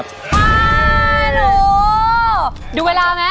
ขอบคุณมากค่ะ